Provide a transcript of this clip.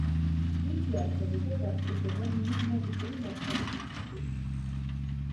მისი არსებობა დასტურდება ნუმიზმატიკური მასალის მიხედვით.